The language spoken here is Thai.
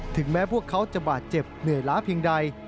แม้พวกเขาจะบาดเจ็บเหนื่อยล้าเพียงใด